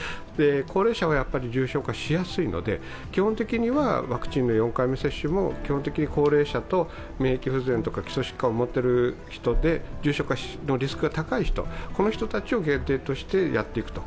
高齢者は重症化しやすいので、基本的にはワクチンの４回目接種も高齢者と免疫不全、基礎疾患を持っている人で、重症化リスクが高い人、こういう人たちを限定としてやっていくと。